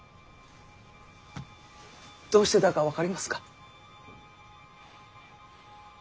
どうしてだか分かりますか？